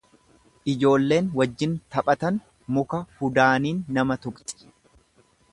ljoolleen wajjin taphatan muka hudaaniin nama tuqxi.